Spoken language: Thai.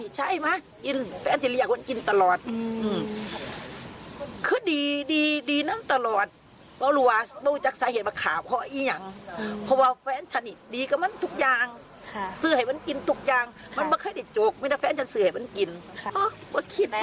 เจ็บปวดมากครับ